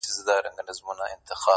په دقيقه کي مسلسل و دروازې ته راځم~